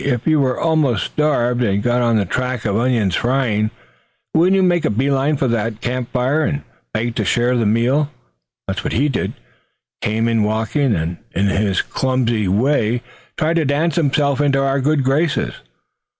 "If you were almost starved, and got on the track of onions frying, wouldn't you make a bee line for that camp fire, and beg to share the meal? That's what he did, came walking in, and in his clumsy way tried to dance himself into our good graces.